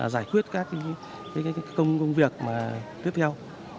giải quyết các công việc tiếp theo